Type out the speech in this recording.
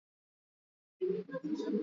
ye kuwa katika hii province